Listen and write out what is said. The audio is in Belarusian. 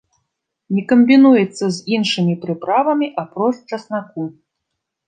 Не камбінуецца з іншымі прыправамі, апроч часнаку.